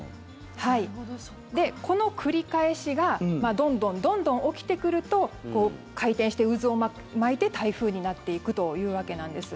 この繰り返しがどんどんどんどん起きてくると回転して渦を巻いて、台風になっていくというわけなんです。